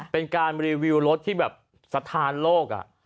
เป็นการรีวิวรถที่แบบสถานโลก